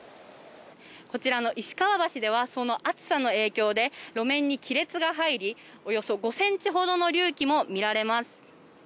こちらの石川橋では、その暑さの影響で路面に亀裂が入り、およそ５ｃｍほどの隆起も見られます。